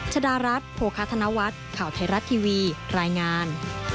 ชดารัฐโภคาธนวัฒน์ข่าวไทยรัฐทีวีรายงาน